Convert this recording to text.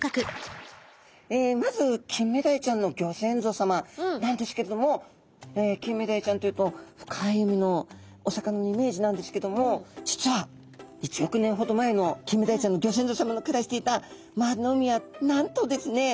まずキンメダイちゃんのギョ先祖様なんですけれどもキンメダイちゃんというと深い海のお魚のイメージなんですけども実は１億年ほど前のキンメダイちゃんのギョ先祖様の暮らしていた周りの海はなんとですね